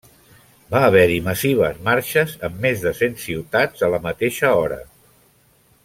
Va haver-hi massives marxes en més de cent ciutats a la mateixa hora.